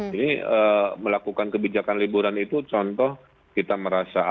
jadi melakukan kebijakan liburan itu contoh kita merasa aman dulu ya